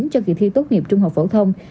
cho kỳ thi tốt nghiệp trung học phổ thông